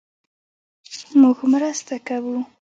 مونږ مرسته کوو